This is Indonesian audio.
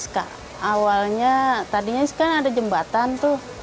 dua ribu empat belas kak awalnya tadinya kan ada jembatan tuh